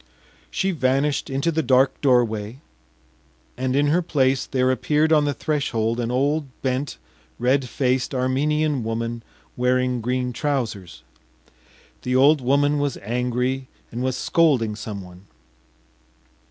She vanished into the dark doorway, and in her place there appeared on the threshold an old bent, red faced Armenian woman wearing green trousers. The old woman was angry and was scolding someone.